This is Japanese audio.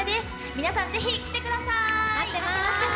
皆さんぜひ来てください。